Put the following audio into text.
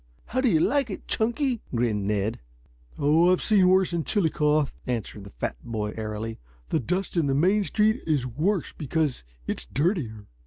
"How do you like it, Chunky?" grinned Ned. "Oh, I've seen worse in Chillicothe," answered the fat boy airily. "The dust in Main Street is worse because it's dirtier."